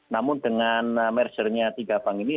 namun dengan mergernya tiga bank ini